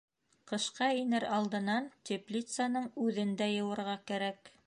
Ҡышҡа инер алдынан теплицаның үҙен дә йыуырға кәрәк.